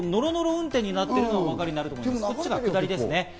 運転になっているのがお分かりになると思います。